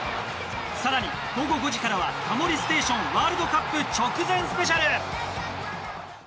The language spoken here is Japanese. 更に午後５時からは「タモリステーションワールドカップ直前ＳＰ」。